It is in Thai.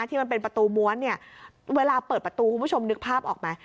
ที่มันเป็นประตูม้วนเนี่ยเวลาเปิดประตูคุณผู้ชมนึกภาพออกไหม